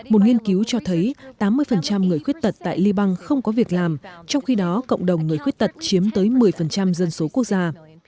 một nghiên cứu cho thấy tám mươi người khuyết tật tại liban không có việc làm trong khi đó cộng đồng người khuyết tật chiếm tới một mươi dân số quốc gia